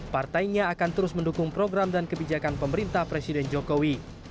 partainya akan terus mendukung program dan kebijakan pemerintah presiden jokowi